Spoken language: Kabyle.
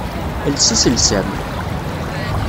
Els iselsa-m!